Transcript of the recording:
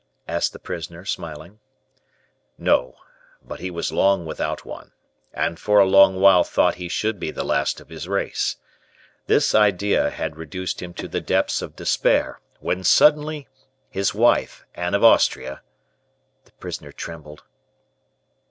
asked the prisoner, smiling. "No, but he was long without one, and for a long while thought he should be the last of his race. This idea had reduced him to the depths of despair, when suddenly, his wife, Anne of Austria " The prisoner trembled.